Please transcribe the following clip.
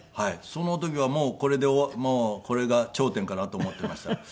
その時はもうこれでもうこれが頂点かなと思っていました。